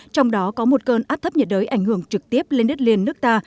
trong đó có một cơn áp thấp nhiệt đới ảnh hưởng trực tiếp lên đất liền nước ta